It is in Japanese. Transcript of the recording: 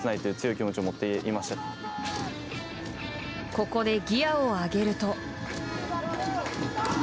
ここでギアを上げると。